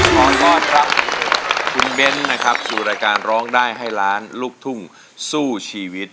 รอดครับคุณเบ้นนะครับสู่รายการร้องได้ให้ล้านลูกทุ่งสู้ชีวิต